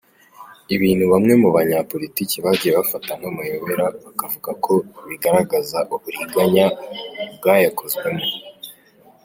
Ibintu bamwe mu banya politiki bagiye bafata nk’amayobera bakavuga ko bigaragaza uburiganya bwayakozwemo.